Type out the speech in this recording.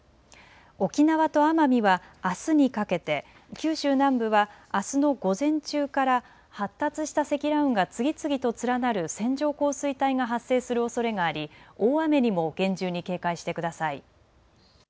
沖縄と奄美はあすにかけて、九州南部はあすの午前中から発達した積乱雲が次々と連なる線状降水帯が発生するおそれがあり、大雨にも厳重に警戒してください。